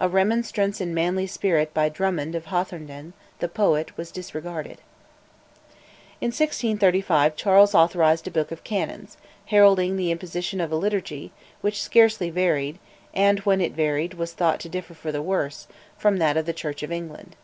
A remonstrance in a manly spirit by Drummond of Hawthornden, the poet, was disregarded. In 1635 Charles authorised a Book of Canons, heralding the imposition of a Liturgy, which scarcely varied, and when it varied was thought to differ for the worse, from that of the Church of England.